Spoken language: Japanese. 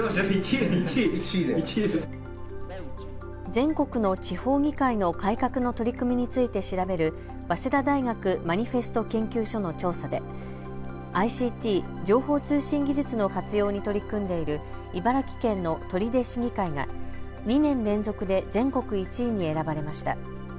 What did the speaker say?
全国の地方議会の改革の取り組みについて調べる早稲田大学マニフェスト研究所の調査でＩＣＴ・情報通信技術の活用に取り組んでいる茨城県の取手市議会が２年連続で全国１位に選ばれました。